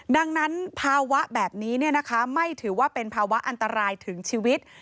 ดังนั้นภาวะแบบนี้ไม่ถือว่าเป็นภาวะอันตรายถึงชีวิต